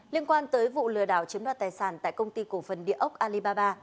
liên quan tới vụ lừa đảo chiếm đoạt tài sản tại công ty cổ phần địa ốc alibaba